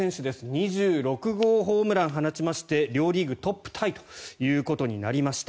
２６号ホームラン放ちまして両リーグトップタイということになりました。